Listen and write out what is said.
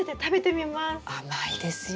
甘いですよ。